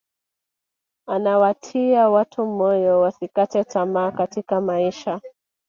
anawatia watu moyo wasikate tamaa katika maisha